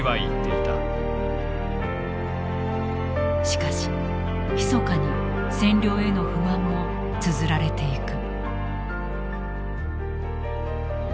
しかしひそかに占領への不満もつづられていく。